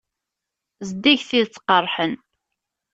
Zeddiget tidet qeṛṛḥen.